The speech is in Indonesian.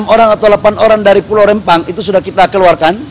enam orang atau delapan orang dari pulau rempang itu sudah kita keluarkan